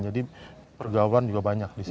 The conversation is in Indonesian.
jadi pergaulan juga banyak di sini